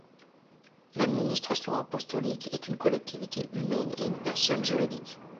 L'administration apostolique est une collectivité humaine et une personne juridique.